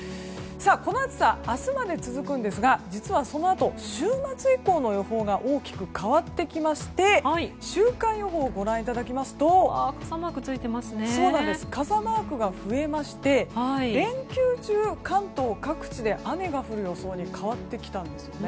この暑さ明日まで続くんですが実は、そのあと週末以降の予報が大きく変わってきまして週間予報をご覧いただきますと傘マークが増えまして連休中、関東各地で雨が降る予想に変わってきたんです。